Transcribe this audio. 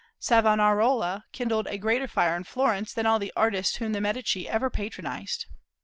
Savonarola kindled a greater fire in Florence than all the artists whom the Medici ever patronized.